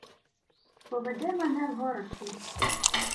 — Поведи мене в город свій.